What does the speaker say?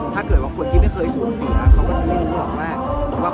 ถ้าเกิดว่าคนที่ไม่เคยสูญเสียเขาก็จะไม่รู้หรอกว่า